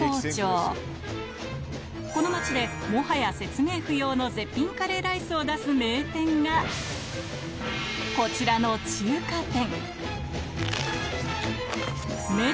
この街でもはや説明不要の絶品カレーライスを出す名店がこちらの中華店